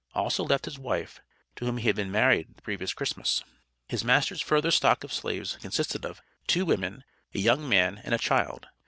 Also left his wife, to whom he had been married the previous Christmas. His master's further stock of slaves consisted of two women, a young man and a child.